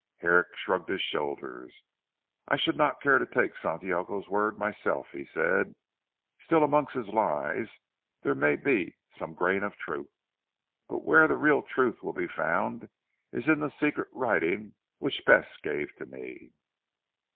Herrick shrugged his shoulders. "I should not care to take Santiago's word myself," he said, "still amongst his lies there may be some grain of truth. But where the real truth will be found is in that secret writing which Bess gave to me."